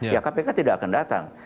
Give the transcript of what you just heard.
ya kpk tidak akan datang